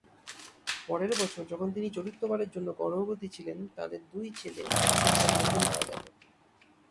পরের বছর, যখন তিনি চতুর্থবারের জন্য গর্ভবতী ছিলেন, তাদের দুই ছেলে এক সপ্তাহের মধ্যে মারা গেল।